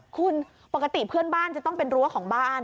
คุณปกติเพื่อนบ้านจะต้องเป็นรั้วของบ้าน